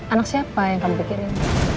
anak siapa yang kamu pikirin